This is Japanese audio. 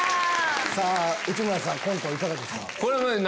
さあ内村さんコントいかがですか？